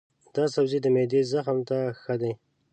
دا سبزی د معدې زخم ته ښه دی.